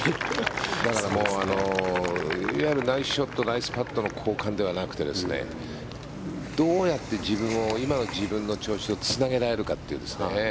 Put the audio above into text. だから、いわゆるナイスショットナイスパットの交換ではなくてどうやって今の自分の調子をつなげられるかという。